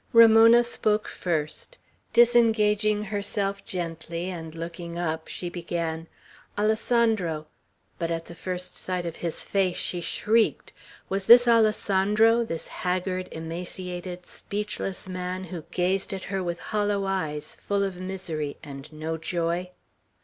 Ramona spoke first. Disengaging herself gently, and looking up, she began: "Alessandro " But at the first sight of his face she shrieked. Was this Alessandro, this haggard, emaciated, speechless man, who gazed at her with hollow eyes, full of misery, and no joy!